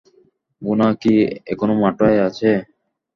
গুনা কি এখনো মাঠে আছে?